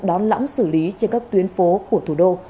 đón lõng xử lý trên các tuyến phố của thủ đô